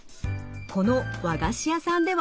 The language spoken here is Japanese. この和菓子屋さんでは。